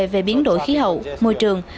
về biến đổi khí hậu môi trường